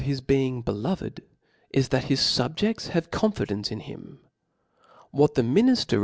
his being beloved is that bis fubjedls have a con*, fi^ence ii> him j what the minifter